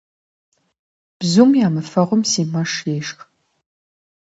Бзум ямыфэгъум си мэш ешх.